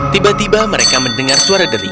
tiba tiba mereka mendengar suara deri